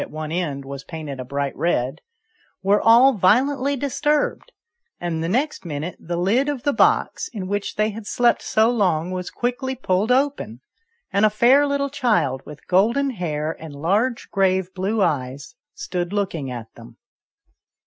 85 at one end, was painted a bright red) were all violently disturbed, and the next minute the lid of the box, in which they had slept so long, was quickly pulled open, and a fair little child with golden hair and large grave blue eyes stood looking at them.